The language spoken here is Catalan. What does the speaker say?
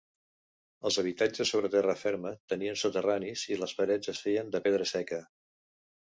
Els habitatges sobre terra ferma tenien soterranis i les parets es feien de pedra seca.